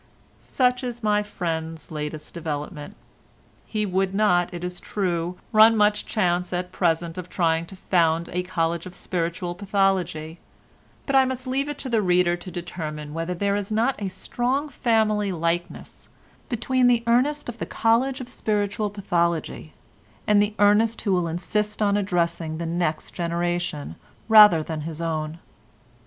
Such is my friend's latest development. He would not, it is true, run much chance at present of trying to found a College of Spiritual Pathology, but I must leave the reader to determine whether there is not a strong family likeness between the Ernest of the College of Spiritual Pathology and the Ernest who will insist on addressing the next generation rather than his own.